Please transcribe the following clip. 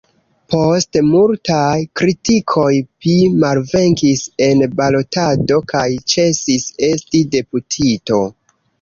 Post multaj kritikoj pi malvenkis en balotado kaj ĉesis esti deputito.